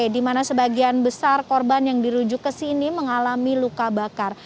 di mana sebagian besar korban yang dirujuk ke sini mengalami luka bakar